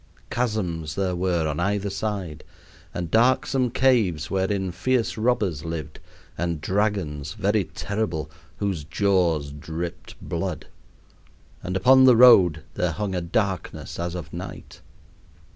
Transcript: Chasms there were on either side, and darksome caves wherein fierce robbers lived, and dragons, very terrible, whose jaws dripped blood. And upon the road there hung a darkness as of night.